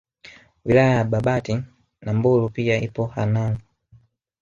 Wilaya ya Babati na Mbulu pia ipo Hanang